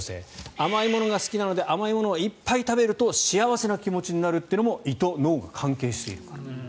甘いものが好きなので甘いものをいっぱい食べると幸せな気持ちになるのは胃と脳が関係しているから。